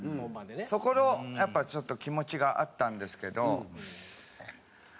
そこのやっぱちょっと気持ちがあったんですけど。